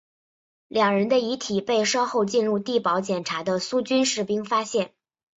两人的遗体被稍后进入地堡检查的苏军士兵发现。